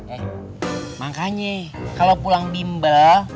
eh makanya kalau pulang bimbel